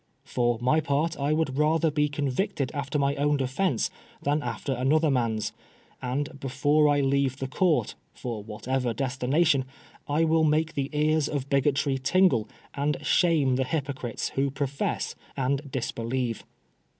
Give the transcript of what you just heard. For my part, I would rather be con victed after my own defence than after another man^s ; and be fore I leave the court, for whatever destination, I will make the ears of bigotry tingle, and shame the hypocrites who profess and disbelieve."